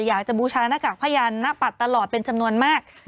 อยากจะบูชะนักกากพยานนับปัดตลอดเป็นจำนวนมาก